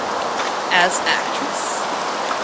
As actress